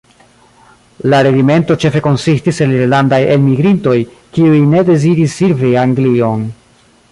La regimento ĉefe konsistis el irlandaj elmigrintoj, kiuj ne deziris servi Anglion.